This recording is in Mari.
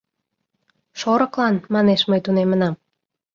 — Шорыклан, манеш, мый тунемынам.